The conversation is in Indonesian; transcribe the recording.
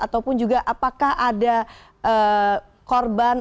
ataupun juga apakah ada korban